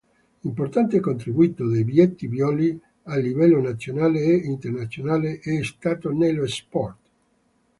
Importante contributo di Vietti Violi a livello nazionale e internazionale, è stato nello sport.